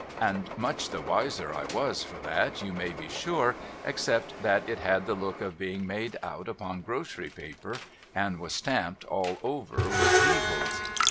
And much the wiser I was for that you may be sure, except that it had the look of being made out upon grocery paper and was stamped all over with eagles.